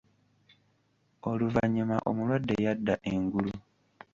Oluvannyuma omulwadde yadda engulu.